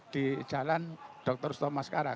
di jalan dr stoma sekarang